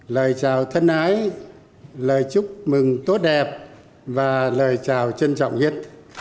lời chào thân ái lời chúc mừng tốt đẹp và lời chào trân trọng nhất